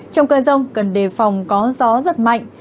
trong cơn rông cần đề phòng có gió giật mạnh